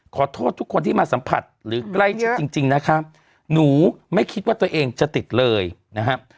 ขอโทษทุกคนที่มาสัมผัสหรือใกล้ชิดจริงจริงนะคะหนูไม่คิดว่าตัวเองจะติดเลยนะครับ